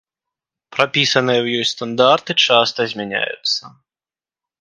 Прапісаныя ў ёй стандарты часта змяняюцца.